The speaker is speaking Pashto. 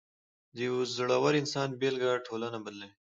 د یو زړور انسان بېلګه ټولنه بدلوي.